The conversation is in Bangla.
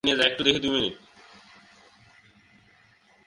তারা একটি ভুল বার্তা দিতে চেয়েছিল এবং সর্বোচ্চ চেষ্টাই তারা করেছে।